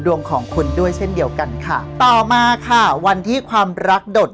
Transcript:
ดวงของคุณด้วยเช่นเดียวกันค่ะต่อมาค่ะวันที่ความรักโดด